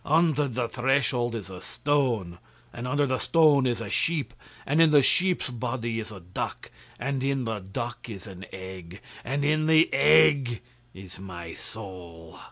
'Under the threshold is a stone, and under the stone is a sheep, and in the sheep's body is a duck, and in the duck is an egg, and in the egg is my soul.